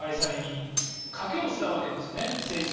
政治的な賭けをしたわけですね。